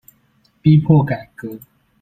逼迫改革